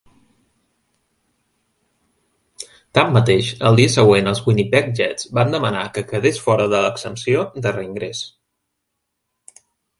Tanmateix, al dia següent els Winnipeg Jets van demanar que quedés fora de l'exempció de reingrés.